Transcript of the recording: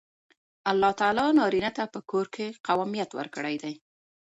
الله تعالی نارینه ته په کور کې قوامیت ورکړی دی.